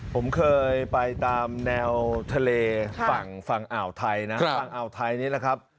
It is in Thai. ผมเคยไปตามแนวทะเลฝั่งฝั่งอ่าวไทยนะฝั่งอ่าวไทยนี่แหละครับ